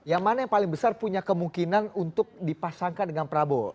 yang mana yang paling besar punya kemungkinan untuk dipasangkan dengan prabowo